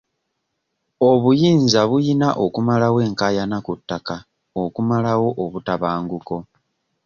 Obuyinza buyina okumalawo enkaayana ku ttaka okumalawo obutabanguko.